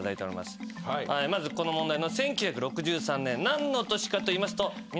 まずこの問題の。